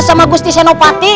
sama gusti senopati